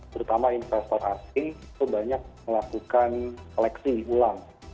terutama investor asing itu banyak melakukan seleksi ulang